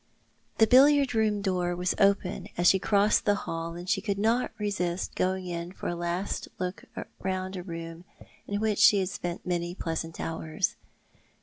The billiard room door was open as she crossed the hall, and she could not resist going in for a last look round a room in which she had spent many pleasant hours.